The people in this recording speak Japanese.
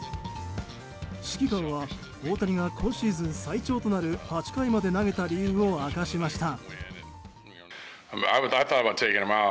指揮官は大谷が今シーズン最長となる８回まで投げた理由を明かしました。